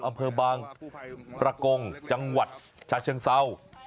อำเภอบางประกงจังหวัดชาชน์เซา